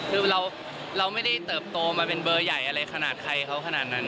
คือเราไม่ได้เติบโตมาเป็นเบอร์ใหญ่อะไรขนาดใครเขาขนาดนั้น